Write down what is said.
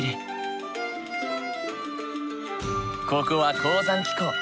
ここは高山気候。